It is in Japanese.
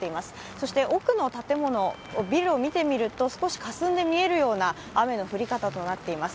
そして奥の建物、ビルを見てみると少しかすんで見えるような雨の降り方となっています。